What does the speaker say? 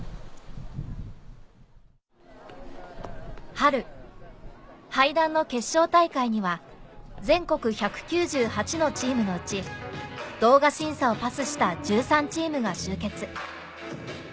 春ハイダンの決勝大会には全国１９８のチームのうち動画審査をパスした１３チームが集結